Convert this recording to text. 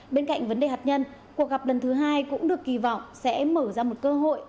bên cạnh vấn đề hạt nhân cuộc gặp lần thứ hai cũng được kỳ vọng sẽ mở ra một cơ hội